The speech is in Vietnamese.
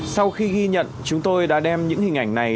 sau khi ghi nhận chúng tôi đã đem những hình ảnh này